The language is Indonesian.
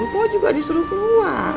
pak juga disuruh keluar